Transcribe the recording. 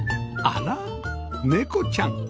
あら猫ちゃん